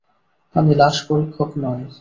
আমি লাশ পরীক্ষক নই।